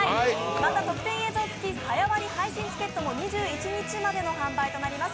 また特典映像つき早割配信チケットも２１日までの販売となります。